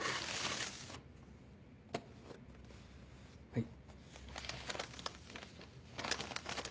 はい。